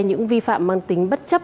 những vi phạm mang tính bất chấp